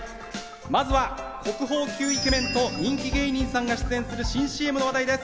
まずは国宝級イケメンと人気芸人さんが出演する新ＣＭの話題です。